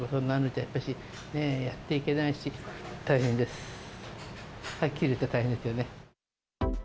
はっきり言って大変ですよね。